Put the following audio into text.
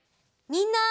みんな！